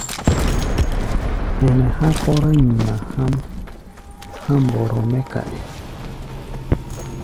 Ɛnɛ há̧ kpɔ́rá nyina há̧ʼm há̧ mbɔrɔ mɛ́ kaɗi.